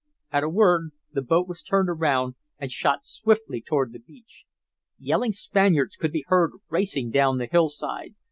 At a word the boat was turned round and shot swiftly toward the beach. Yelling Spaniards could be heard racing down the hillside.